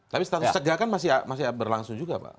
tapi status cegah kan masih berlangsung juga pak